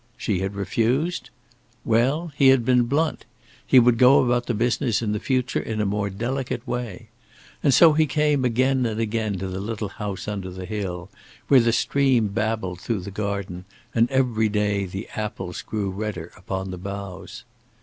She had refused. Well, he had been blunt. He would go about the business in the future in a more delicate way. And so he came again and again to the little house under the hill where the stream babbled through the garden, and every day the apples grew redder upon the boughs.